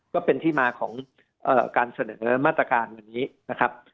ก็เป็นที่มาของการเสนอมาตรการวันนี้นะครับ